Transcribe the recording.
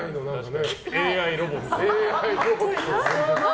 ＡＩロボット。